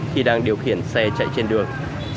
khi đang điều khiển xe chạy trên đường